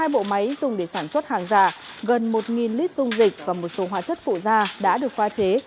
hai bộ máy dùng để sản xuất hàng già gần một lít dung dịch và một số hóa chất phụ da đã được pha chế